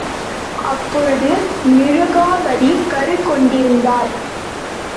அப்போது மிருகாபதி கருக் கொண்டிருந்தாள்.